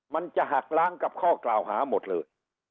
มันจะหักล้างกับข้อกล่าวหาหมดเลย